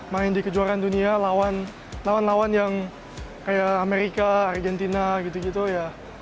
main di kejuaraan dunia lawan lawan yang kayak amerika argentina gitu gitu ya